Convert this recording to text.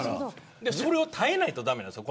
それを耐えないと駄目なんです